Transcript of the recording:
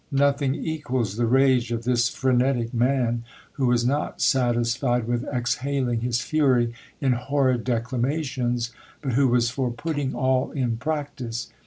Nothing equals the rage of this phrenetic man, who was not satisfied with exhaling his fury in horrid declamations, but who was for putting all in practice.